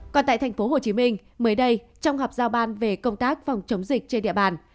còn tại tp hcm mới đây trong họp giao ban về công tác phòng chống dịch trên địa bàn